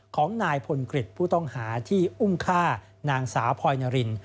ของนายพลกฤษผู้ต้องหาที่อุ้มฆ่านางสาวพลอยนาริน